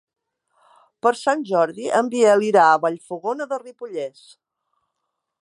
Per Sant Jordi en Biel irà a Vallfogona de Ripollès.